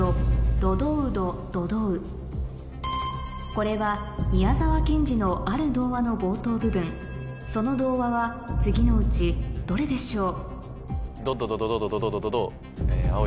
これは宮沢賢治のある童話の冒頭部分その童話は次のうちどれでしょう？